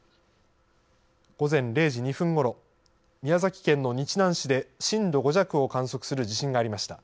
午前０時２分ごろ、宮崎県の日南市で震度５弱を観測する地震がありました。